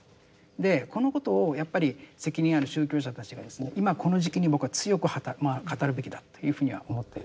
でこのことをやっぱり責任ある宗教者たちが今この時期に僕は強く語るべきだというふうには思っているんですけどね。